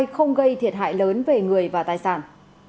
không gây thiệt hại lớn về người và tài sản